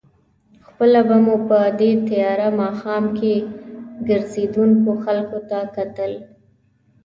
خپله به مو په دې تېاره ماښام کې ګرځېدونکو خلکو ته کتل.